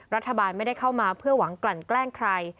รัฐบาลไม่ได้เข้ามาเพื่อหวังกลั่นแกล้งใคร